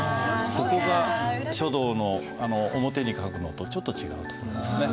そこが書道の表に書くのとちょっと違うところですね。